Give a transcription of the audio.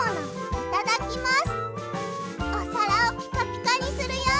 いただきます。